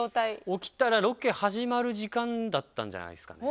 起きたらロケ始まる時間だったんじゃないですかね。